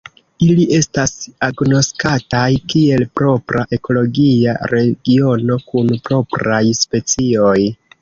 Ili estas agnoskataj kiel propra ekologia regiono kun propraj specioj.